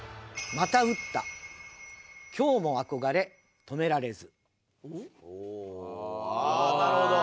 「また打った今日も憧れ止められず」